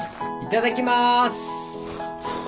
いただきます！